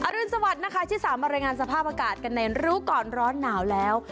รุนสวัสดิ์นะคะที่สามมารายงานสภาพอากาศกันในรู้ก่อนร้อนหนาวแล้ว